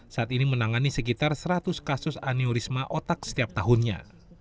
saat ini menangani sekitar seratus kasus aniorisma otak setiap tahunnya